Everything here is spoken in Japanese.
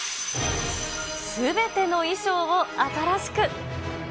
すべての衣装を新しく。